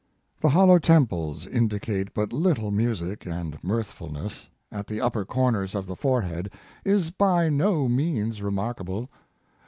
The hollow temples indicate but little 180 Mark Twain music, and mirthfulness, at the upper corners of the forehead, is by no means remarkable.